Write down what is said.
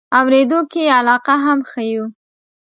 اورېدو کې یې علاقه هم ښیو.